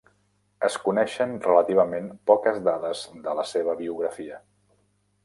Es coneixen relativament poques dades de la seva biografia.